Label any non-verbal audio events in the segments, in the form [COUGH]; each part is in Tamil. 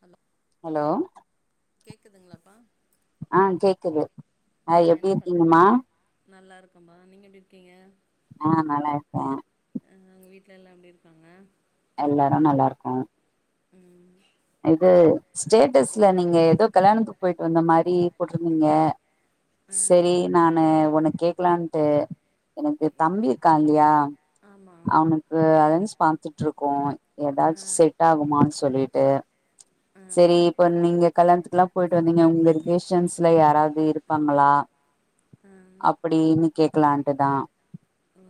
ஹலோ ஹலோ கேக்குதுங்ளாப்பா ஆ கேக்குது ஆ எப்டி என்ன பண்றீங்க இருக்கீங்கம்மா நல்லாருக்கம்பா நீங்க எப்டி இருக்கீங்க ஆ நல்லார்க்கே அ உங்க வீட்ல எல்லா எப்டி இருக்காங்க எல்லாரு நல்லார்க்கோ ம் இது ஸ்டேட்டஸ்ல நீங்க எதோ கல்யாணத்துக் போய்ட்டு வந்த மாரி போட்ருந்தீங்க அ செரி நானு ஒன்னு கேக்கலான்ட்டு எனக்கு எ தம்பி இர்க்கா இல்லயா ஆமா அவனுக்கு அலைன்ஸ் பாத்துட்ருக்கோ அ எதாச்சு செட்டாகுமான் சொல்லீட்டு அ செரி இப்ப நீங்க கல்யாண்த்துக்குலா போய்ட்டு வந்தீங்க உங்க ரிலேஷன்ஸ்ல யாராவ்து இருப்பாங்களா ம் அப்படினு கேக்கலான்ட்டுதா ஓ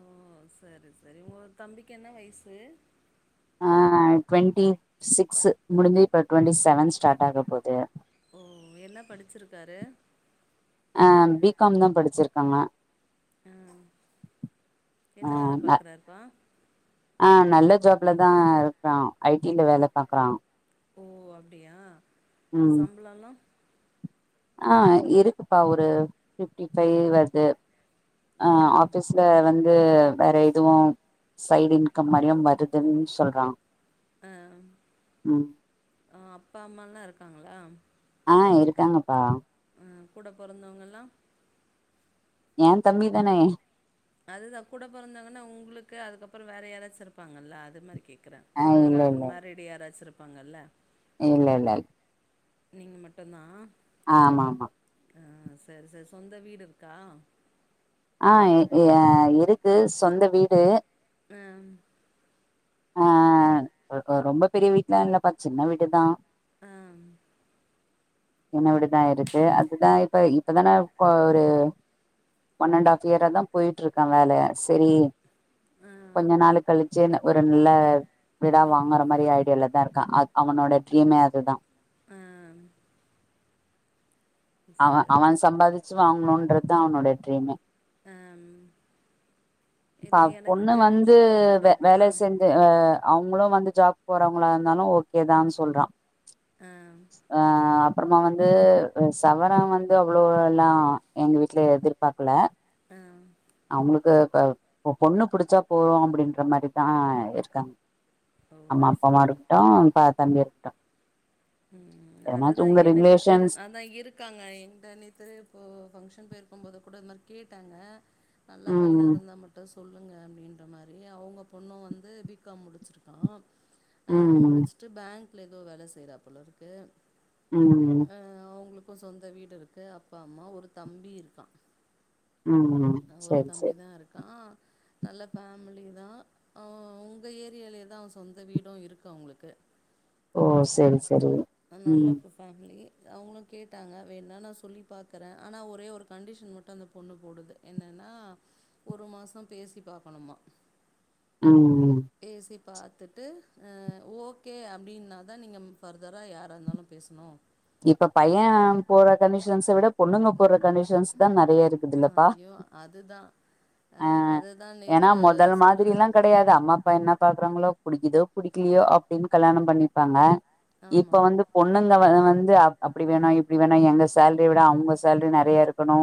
சேரி சேரி உங்க தம்பிக்கு என்ன வய்சு ஆ ட்வெண்ட்டி சிக்ஸ்ஸு முடிஞ்சு இப்ப ட்வெண்ட்டி செவன் ஸ்டாட் ஆக போது ஓ என்ன படிச்சிருக்காரு ஆ பி காம் தா படிச்சிருக்காங்க அ என்ன வேல ஆம பாக்குறாருப்பா ஆ நல்ல ஜாப்ல தா இருக்றா ஐ டி ல வேல பாக்கறா ஓ அப்டியா ம் சம்பளல்லா ஆ இருக்குப்பா ஒரு ஃபிஃப்ட்டி ஃபை வர்து அ ஆஃபீஸ்ல வந்து வேற எதுவு சைட் இன்கம் மாரியு வருதுன் சொல்றா அ ஆ அப்பா அம்மாலா இருக்காங்களா ஆ இருக்காங்கப்பா ஆ கூட பொறந்தவங்கல்லா ஏந்தம்பி தான அதுதா கூட பொறந்தவங்கன்னா உங்களுக்கு அதுக்கப்பறோ வேற யாராச்சு இருப்பாங்கல்ல அது மாரி கே க்றே ஆ கூட எதா இல்லை அன்மேரிட் யாராச்சு இருப்பாங்கல்ல இல்லல்ல இல் நீங்க மட்டுந்தா ஆமா ஆமா ஆ சரு சர் சொந்த வீடு இருக்கா ஆ ஏ இருக்கு சொந்த வீடு ம் ஆ அ ரொ ரொம்ப பெரிய வீட்டுலா இல்லப்பா சின்ன வீடுதா அம் சின்ன வீடுதா இருக்கு அதுதா இப்ப இப்பதான இப்ப ஒரு ஒன் அண்ட் ஹாஃப் இயரா தா போயிட்ருக்கா வேல செரி ஆ கொஞ்ச நாளு கழிச்சுன ஒரு நில்ல விடா வாங்கற மாரி ஐடியால தா இருக் கா அத் அவனோட ட்ரீமே அதுதா அ அவ சரி அவ சம்பாதிச்சு வாங்கணுன்ற தா அவனோட ட்ரீமே ஆம் ப இல்ல எனக்கு பொண்ணு தெரிஞ்ச வந்து பொண்ணு கூட வ இருக்கு ஆ வேலை சேந் து அ அவங்களு வந்து ஜாப் போறவங்களா இருந்தாலு ஓக்கேதான் சொல்றா அ ஆ அப்பறமா வந்து அ சவர வந்து அவ்வளோ எல்லா எங்க வீட்ல எதிர்பாக்கல அ அவங்களுக்கு அ இப்ப பொண்ணு புடிச்சா போது அப்டின்ற மாரிதா இருக்காங்க ஓ அம்மா அப்பாவா சரி இருக்கட்டு அக்கா தம்பி இருக்கட்டு ம் எதனாச்சு அதுதா உங்க எனக்கு தெரின் ரிலேஷன்ஸ் அதா இருக் காங்க எங்கிட்ட நேத்து இப்போ ஃபங்க்ஷன் போயிருக்கும் போது கூட இது மாரி கேட்டாங்க நல்ல பையனா ம் இருந்தா மட் டு சொல்லுங்க அப்டின்ற மாரி அவங்க பொண்ணுஸவந்து பி காம் முடிச்சிருக்கா அ ம் முடிச்சுட்டு பேங்க்ல ஏதோ வேல செய்றா போல இருக்கு ம் ம் இப்போ சொந்த வீடு இருக்கு அப்பா அம்மா ஒரு தம்பி இருக்கா ம் ம் அ ஒரு தம்பிதா இருக்கா நல்ல ஃபேமிலி தா அ உங்க ஏரியாலே தா அவ சொந்த வீடு இருக்கு அவங்களுக்கு ஓ சரி சரி அ நல்ல ஃ பேமிலி அவங்களு கேட்டாங்க வேணா நா சொல்லி பாக்கறே ஆனா ஒரே ஒரு கண்டிஷன் மட்டு அந்த பொண்ணு போடுது என்னன்னா ஒரு மாசோ பேசி பாக்கணுமா ம் ம் பேசி பாத்துட்டு அ ஓக்கே அப்டின்னா தா நீங்க ம் ஃபர் தரா யாரா இருந்தாலு பேசணு இப்ப பைய போற கண்டிஷன்ஸ விட பொண்ணுங்க போற கண்டிஷன்ஸ் தா நறைய இரு அ ஐயோ அதுதா அ அதுதா நேத்து சொல்லுது பையன பாக்குறாங்களோ புடிக்குதோ புடிக்கலையோ அப்டின் கல்யாணம் பண்ணிப்பாங்க இப்ப ஆமா வந்து பொண்ணுங்க வ வந்து அப்டி வேணு இப்டி வேணு எங்க சேல்ரி விட அவங்க சேல்ரி நெறைய இருக்கணு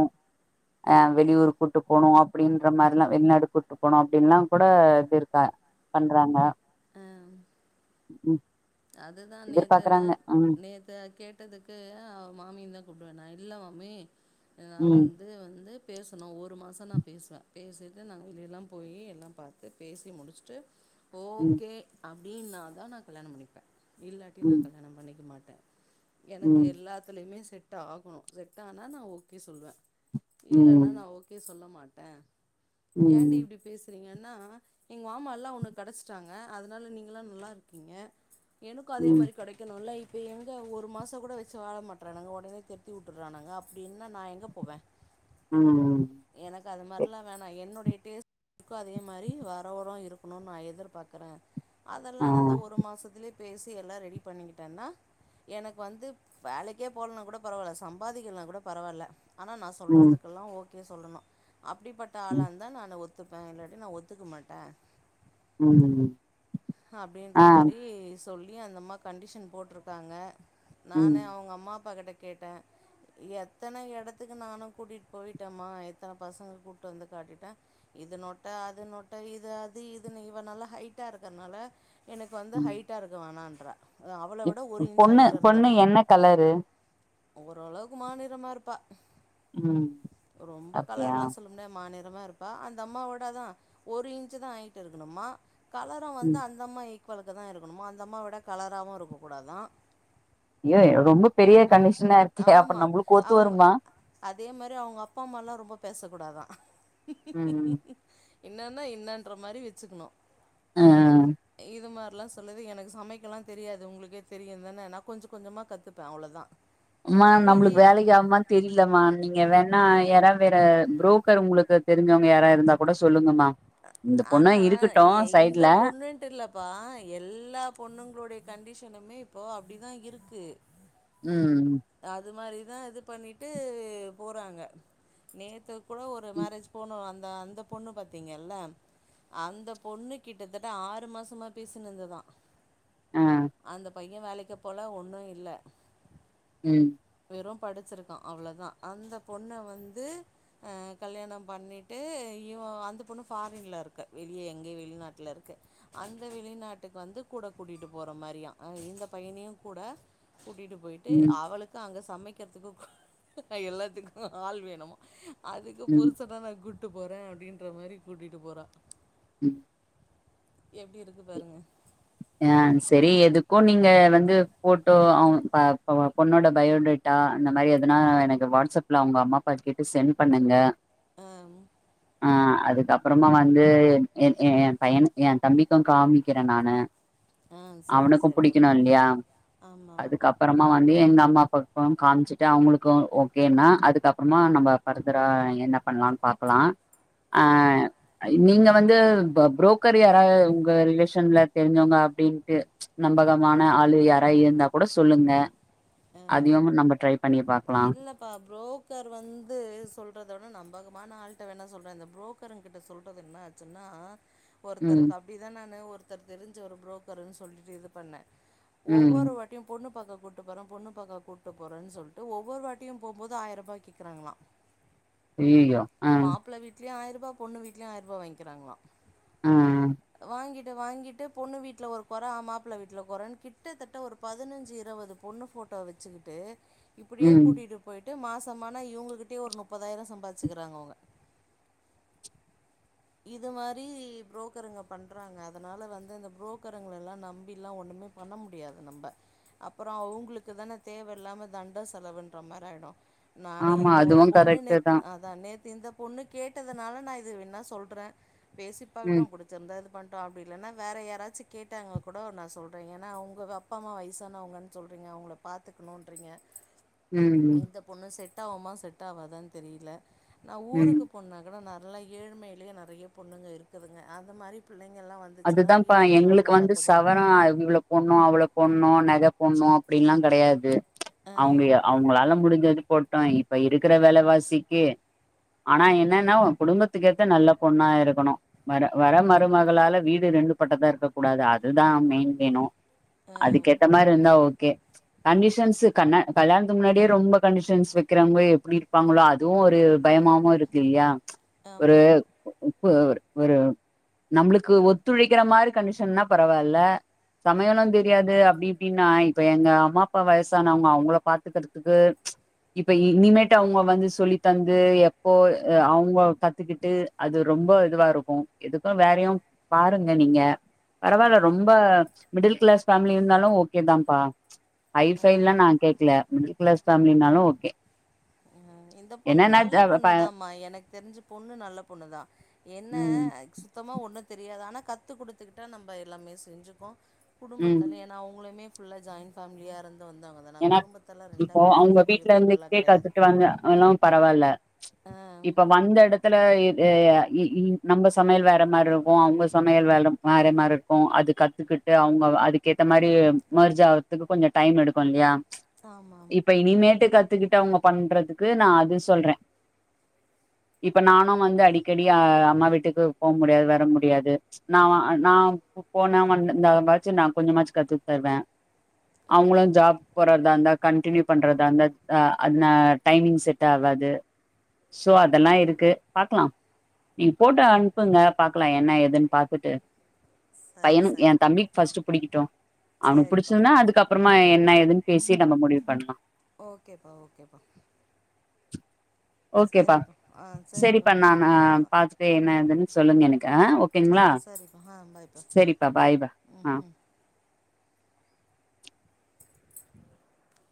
ஆ வெளியூர் கூப்ட்டு போணு அப்டின்ற மாரிலா வெளிநாடு கூட்டிட்டு போணு அப்டின் எல்லா கூட இது இருக்காங்க பண்றாங்க ஆ ம் அதுதா நேத்துதா எதிர்பாக்கறாங்க ம் நேத்து கேட் ட்டதுக்கு அவ மாமிய தா கூப்பிட்டுவே நானு இல்ல மாமி நா ம் வந்து வந்து பேசணு ஒரு மாசோ நா பேசுவே பேசிட்டு நாங்க வெளியெல்லா போயி எல்லா பாத்து பேசி முடிச்சுட்டு ம் ஓகே அப்டின்னாதா நா கல்யாண பண்ணிப்பே இல்லாட்டி நா ம் கல்யாண பண்ணிக்க மாட்டே எனக்கு ம் எல்லாத்துலயுமே செட் செட் ஆகணு செட் ஆனா நா ஓகே சொல்லுவே இல்லன்னா நா ஓ ஓகே சொல்ல மாட்டே ஏண்டி ம் இப்டி பேச ரீங்கன்னா எங்க மாமா எல்லா உனக்கு கெடச்சிட்டாங்க அதனால நீங்க எல்லா நல்லா இருக்கீங்க எனக்கு அதே ம் ம் மாரி கெடைக்கணுல்ல இப்போ எங்கே ஒரு மாசோ கூட வெச்சு வாழ மாட்றானுங்க ஒடனே தொரத்தி விட்டுறானுங்க அப்டின்னா நா எங்கே போவே ம் எனக்கு அது சரி மாரில்லா வேணா என்னுடைய டேஸ்ட் க்கு அதே மாரி வரவரு இருக்கணுனு நா எதிர்பாக்கறே அதெல்லா ஆ அந்த ஒரு மாசத்துலயே பேசி எல்லா ரெடி பண்ணிக்கிட்டேன்னா எனக்கு வந்து வேலைக்கே போகலன்னா கூட பரவாயில்ல சம்பாதிக்கலன்னா கூட பரவாயில்ல ஆனா நா ம் சொல்றதுக்கெல்லா ஓகே சொல்லணு அப்டிப்பட்ட ஆளாக ம் இருந்தா நானு ஒ துதுப்பே இல்லாட்டி நா ஒத்துக்க மாட்டே ம் அப்டின்ற ஆ மாரி சொல்லி அந்த அம்மா கண்டிஷன் போட்டிருக்காங்க நானு ம் அவங்க அம்மா அப்பா கிட்ட கேட்டே எத்தன எடத்துக்கு நானு கூட்டிட்டு போயிட்டேம்மா எத்தன பசங்க கூட்டு வந்து காட்டிட்டே இது நொட்ட அது நொட்ட இது அது இது இவ நல்லா ஹைட்டா இருக் இருக்கறனால எனக்கு வந்து ம் ஹைட்டா இருக்கு வேணான்றா அவள இப் விட ஒரு இன்ச் பொண்ணு ஹயிட்டா இருந்தா பொண்ணு என்ன கலரு ஓரளவுக்கு மாநிறமா இருப்பா ம் ரொம்ப அப்டியா கலர்ல்லா சொல்ல மாநிறமா இருப்பா அந்த அம்மாவ விட தா ஒரு இன்ச் தா ஹயிட் இருக்கணுமா கலர் கலரு வந்து ம் அந்த அம்மா ஈக்குவலுக்கு தா இருக்கணுமா அந்த அம்மா விட கலராவு இருக்க கூடாதா ஐய்யோ ரொம்ப பெரிய கண்டிஷனா இருக்கே அப்ப ஆமாம் நம்பளுக்கு ஒத்து அவங்க வருமா அதே மாரி அவங்க அப்பா அம்மால்லா ரொம்ப பேசக்கூடாதா ம் என்னன்னா என்னன்ற மாரி வெச்சுக்கணு ஆ இது மாரிலா சொல்லுது எனக்கு சமைக்கல்லா தெரியாது உங்களுக்கே தெரியுந்தான நா கொஞ்ச கொஞ்சமா கத்துப்பே அவ்ளோதா அம்மா நம்மளுக்கு வேலைக்கு ஆகுமா தெரிலம்மா நீங்க வேணா யாராவ வேற புரோக்கர் உங்களுக்கு தெரிஞ்சவங்க யாரா இருந்தா கூட சொல்லுங்கமா இந்த பொண்ணு இருக்கட்டு சைட்ல [UNINTELLIGIBLE] இப்பா எல்லா பொண்ணுங்களுடைய கண்டிஷனுமே இப்போ அப்பிடிதா இருக்கு ம் அது மாரிதா இது பண்ணிட்டு போறாங்க நேத்து கூடோ ஒரு ம் மேரேஜ் போணோ அந்த அந்த பொண்ணு பாத்தீங்கல்ல அந்த பொண்ணு கிட்டத்தட்ட ஆறு மாசமா பேசினதுதா ஆ அந்த பைய வேலைக்கு போல ஒன்னு இல்ல ம் வெறு படிச்சிருக்கா அவ்ளோதா அந்த பொண்ண வந்து ஆ கல்யாணோ பண்ணிட்டு இவ அந்த பொண்ணு ஃபாரின்ல இருக்கு வெளிய எங்கேய வெளிநாட்டுல இருக்கு அந்த வெளிநாட்டுக்கு வந்து கூட கூட்டிகிட்டு போற மாரியா இந்த பையனியு கூட கூடிடு போயிட்டு ம் அவளுக்கு அங்க சமைக்கிறதுக்கு எல்லாத்துக்கு ஆள் வேணுமா அதுக்கு ம் புருஷன நா கூட்டிட்டு போறே அப்டின்ற மாரி கூட்டிட்டு போறா ம் எப்டி இருக்கு பாருங்க ஆ சரி எதுக்கு நீங்க வந்து போட்டோ அவ பா பொண்ணோடய பயோடேட்டா இந்த மாதிரி எதுனா எனக்கு வாட்ஸ்அப்ல அவங்க அம்மா அப்பா கேட்டு சென்ட் பண்ணுங்க ஆ ம் ஆ அதுக்கப்றமா வந்து எ எ எ பையனுகு எ தம்பிக்கு காமிக்கிறே நானு ஆ சரி அவனுக்கு சரி பிடிக்கணு கண்டிப்பா இல்லையா ஆமா அதுக்கு அப் றமா வந்து எங்க அம்மா அப்பாக்கு காமிச்சுட்டு அவங்களுக்கு ஓகேனா அதுக்கப்றமா நம்ம ஃபர்தரா என்ன பண்ணலானு பாக்கலா ஆ ம் நீங்க வந்து புரோக்கர் யாரா உங்க ரிலேஷன்ல தெரிஞ்சோங்க அப்டின்ட்டு நம்பகமான ஆளு யாரா இருந்தா கூட சொல்லுங்க அதயும் நம்ம ட்ரை பண்ணி பாக்கலா இல்லபா புரோக்கர் வந்து சொல்றத வுட நம்பகமான ஆள்ட வேண சொல்றே இந்த புரோக் கர்ங்கிட்ட சொல்றது என்ன ஆச்சுன்னா ம் ஒருத்தருக்கு அப்டிதா நானு ஒருத்தர் தெரிஞ்ச ஒரு புரோக்கருன்னு சொல்லிட்டு இது பண்ணே ம் ஒவ்வொரு வா டியு பொண்ணு பக்க கூட்டு போற பொண்ணு பக்க கூட்டு போறேன்னு சொல்ட் டு ஒவ்வொரு வாட்டியு போம்போது ஆயிரரூபாய் கேக்றாங்களா ஐய்யயோ ஆ மாப்ள வீடலயு ஆயிரூபா பொண்ணு வீட்டுலயு ஆயிர ரூபா வாங்கிகறாங்கள ஆ வாங்கிட்டு வாங்கிட்டு பொண்ணு வீட்டில ஒரு குறை அ மாப்பிள்ள வீட்டில் குறேன்னு கிட்டத்தட்ட ஒரு பதினஞ்சு இருபது பொண்ணு ஃபோட்டோ வச்சுக்கிட்டு இப்டியே ம் கூட்டிகிட்டு போய்ட்டு மாசமான இவங்ககிட்டே ஒரு முப்பதாயிரம் சம்பாதிச்சிக்கிறாங்க அவுங்க இது மாரி புரோக்கருங்க பண்றாங்க அதனால வந்து இந்த புரோக்கருங்க எல்லா நம்பிலா ஒண்ணமே பண்ண முடியாது நம்ம அப்றோ அவங்களுக்கு தானே தேவையில்லாம தண் ட செலவுன்ற மாரி ஆயிடு நானு ஆமா இந்த ஒரு அதுவு பொண்ணுனை கரெக்ட் தா நேத்து இந்த பொண்ணு கேட்டதுனால நா இது வேன்ன சொல்றே பேசிப்பாக்கடு ம் புடி சி இருந்தா இது பண்ணட்டோ அப்டி இல்லன்னா வேற யாராச்சு கேட்டாங்க கூட நா சொல்றே ஏனா அவுங்க அப்பா அம்மா வயசான அவங்கு சொல்றீங்க அவங்கள பாத்துக்கணுன்றிங்க ம் இந்த பொண்ணு செட் ஆகுமா செட் ஆவாதானு தெரியல நா ம் ஊருக்கு பொண்ணா கூட நல்லா ஏழ்மையிலேயே நெறைய பொண்ணுங்க இருக்குதுங்க அந்த மாரி புள்ளைங்கள் எலா வந் அதுதான்ப்ப எங்களுக்கு வந்து சவரம் இவ்ளோ போண்ணு அவ்ள போண்ணு நக போண்ணு அப்டின்ல்லா கிடையாது அவுங்க அவுங்களால முடிஞ்சது போட்டோ இப்ப இருக்கிற வேலைவாசிக்கு ஆனா என்னன்னா குடும்பத்துக்கேத்த நல்ல பொண்ணா இருக்கணு வர வர மருமகளால வீடு ரெண்டு பட்டதா இருக்க கூடாது அதுதா மெயின வேணு அதுக்கேத்த மாரி இருந்தா ஓகே கண்டிஷன்ஸ் கா கல்யாணத்துக்கு முன்னாடியே ரொம்ப கண்டிஷன்ஸ் வைக்கிறவங்க எப்டி இருப்பாங்களோ அதுவு ஒரு பயமாவு இருக்கு இல்லையா ச் ஆமாம் ஒருப்ப ஒரு நம்மளுக்கு துழிக்கிற மாதிரி கண்டிஷன்னா பெரவாயில்ல சமையலு தெரியாது அப்டி இப்டின்னா இப்ப எங்க அம்மா அப்பா வயசானவங்க அவங்கள பாத்துக்கிறது ச் இப்ப இனிமேட்டு அவங்க வந்து சொல்லி தந்து எப் போ அவங்க கத்துக்கிட்டு அது ரொம்ப இதுவா இருக்கு எதுக்கு வேறயு பாருங்க நீங்க பெரவாயில்ல ஆ ரொம்ப மிடில் கிளாஸ் ஃபேமிலி இருந்தாலு ஓகே தா பா ஹ ஆ, ஃபைலா நா கேக்கல மிடில் கிளாஸ் ஃபேமிலினாலு ஓகே ம் இந்த பொண்ணு என்னன்னா நல்ல அஹ் ப- பொண்ணுதாமா எனக்கு தெரிஞ்சி பொண்ணு நல்ல பொண்ணு தா என்ன ம் சுத்தமா ஒண்ணு தெரியாது ஆனா கத்து குடுத்துக்கிட்டா நம்ப எல்லாமே செஞ்சுக்கோ ம் குடும்பத்தில் ஏன்னா அவங்களுமே ஃபுல்லா ஜாயின்ஃபேமிலியா இருந்து வந்தவுங்க அதனா ஏன்னா குடும்பத்தெல்லா ரெண்டா பிரிக்கக்கூடிய பொண்ணு எல்லா கெடையாது அதல்லா பெரவால்ல ச் ஆ இப்ப வந்த எடத்துல ஏ இ இ நம்ம சமயல் வே வே மாரி இருக்கு அவங்க சமையல் வே வேற மாரி இருக்கு அது கத்துக்கிட் அவங்க அதுக்கேத்த மாதிரி மெர்ஜ் ஆறதுக்கு கொஞ்சோ டைம் எடுக்கு இல்லயா ச் ஆமாம் இப்ப இனிமேட்டு கத்துக்கிட்டு அவங்க பண்றதுக்கு நா அது சொல்றே இப்ப நானு வந்து அடிக்கடி அம்மா வீட்டுக்கு போ முடியாது வர முடியாது நா நா போன வந் இந்தச்சு நா கொஞ்சமாச்சு கத்து தருவே அவுங்களு கண்டிப்பா ஜாப் போ இருந்தா கண்டியூ பண்றதா இருந்தா அ அந்த டைமிங் செட் ஆவாது சோ அதெல்லா இருக்கு பாக்கலாம் நீங்க ஃபோட்டோ அனுப்புங்க பாக்கலா என்ன ஏதுன்னு பாத்துட்டு சரி பையனு எ சரிப்பா தம்பிக்கு பர்ஸ்ட்டு புடிக்கட்டு அவனுக்கு சரிப்பா புடிச்சதுன்னா அதுக்கப்பறமா என் என்ன ஏதுன்னு பேசி நம்ம முடிவு பண்லா ஓகேப்பா ஓகேப்பா ஓகேப்பா சரிப்பா ஆ சரிப்பா நா ம் ஆ ஆ பாத்துட்டு என்ன ஏதுன்னு சொல்லுங்க எனக்கு ஆ ஓகேங்களா சரிப்பா ஆ பாய்ப்பா சரிப்பா பாய்ப்பா ம் ஆ ம் [INAUDIBLE]